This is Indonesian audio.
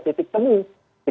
titik temunya ada